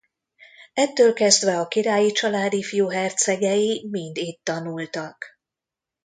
Ettől kezdve a királyi család ifjú hercegei mind itt tanultak.